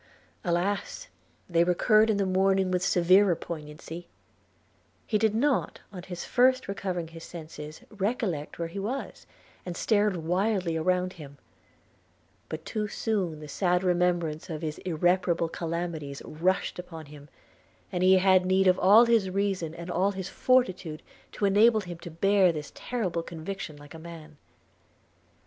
Alas! they recurred in the morning with severer poignancy – He did not, on his first recovering his senses, recollect where he was, and stared wildly around him; but too soon the sad remembrance of his irreparable calamities rushed upon him, and he had need of all his reason and all his fortitude to enable him to bear this terrible conviction like a man.